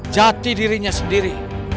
jati dirinya sendiri